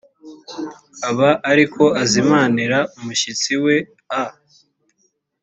aba ari ko azimanira umushyitsi we a